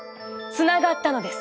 つながったのです。